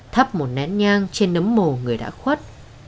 thắp một nén nhang trên nấm mồ người đã khuất